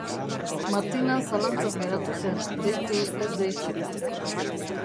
Martina zalantzaz geratu zen, deitu, ez deitu.